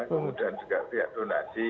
kemudian juga pihak donasi